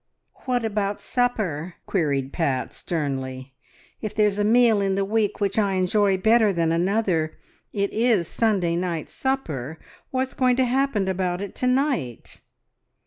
"What about supper?" queried Pat sternly. "If there's a meal in the week which I enjoy better than another it is Sunday night supper. What's going to happen about it to night?"